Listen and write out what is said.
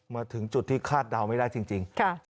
มาถึงจุดที่คาดเดาไม่ได้จริง